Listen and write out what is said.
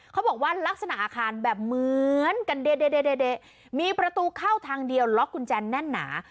เขาบอกว่าลักษณะอาคารแบบเหมือนกันเดมีประตูเข้าทางเดียวล็อกกุญแจแน่นหนา